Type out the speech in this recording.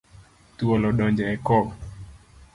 Thuol odonjo e koo